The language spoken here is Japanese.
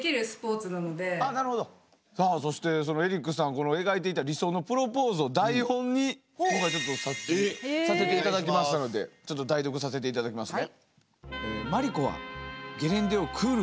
この描いていた理想のプロポーズを台本に今回ちょっとさせていただきましたのでちょっと代読させていただきますね。